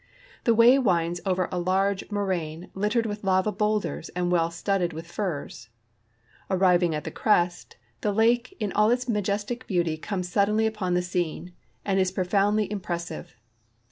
The way winds over a large moraine littered with lava boulders and well studded with firs. Arriving at the crest, the lake in all its majestic beauty comes suddenly upon the scene, and is profoundly im[)ressive.